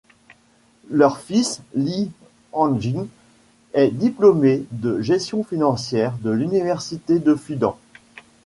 Leur fils Li Hanjin est diplômé de gestion financière de l’Université de Fudan.